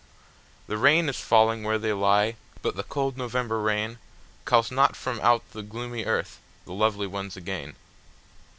The rain is falling where they lie, but the cold November rainCalls not from out the gloomy earth the lovely ones again.